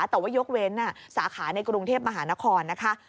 แต่ว่ายกเว้นสาขาในกรุงเทพมหานครนะคะ